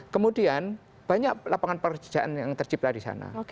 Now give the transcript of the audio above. kemudian banyak lapangan pekerjaan yang tercipta di sana